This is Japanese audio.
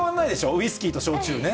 ウイスキーと焼酎ね。